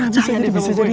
bisa jadi bisa jadi